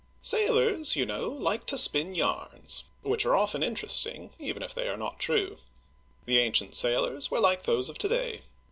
Sailors, you know, like to spin yams, which are often interesting, even if they are not true. The ancient sailors were like those of to day.